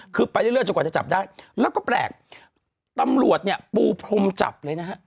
คือไปเรื่อยจนกว่าจะจับได้แล้วก็แปลกตำรวจเนี่ยปูพรมจับเลยนะฮะ